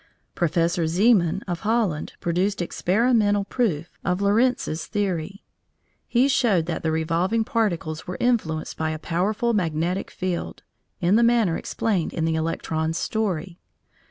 Professor Zeeman, of Holland, produced experimental proof of Lorentz's theory. He showed that the revolving "particles" were influenced by a powerful magnetic field, in the manner explained in the electron's story.